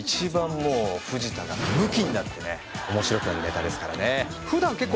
もう藤田がムキになってね面白くなるネタですからね